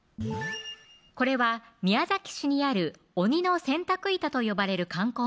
これは宮崎市にある鬼の洗濯板と呼ばれる観光名所です